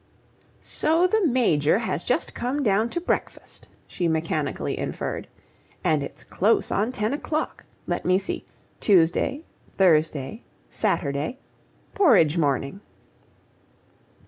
"So the Major has just come down to breakfast," she mechanically inferred, "and it's close on ten o'clock. Let me see: Tuesday, Thursday, Saturday Porridge morning."